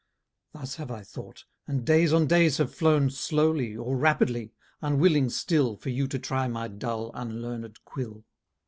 Thus have I thought; and days on days have flown Slowly, or rapidly unwilling still For you to try my dull, unlearned quill.